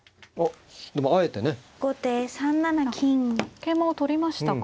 桂馬を取りましたか。